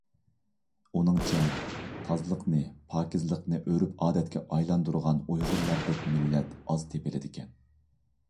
ئۇنىڭچە، تازىلىقنى، پاكىزلىقنى ئۆرپ-ئادەتكە ئايلاندۇرغان ئۇيغۇرلاردەك مىللەت ئاز تېپىلىدىكەن.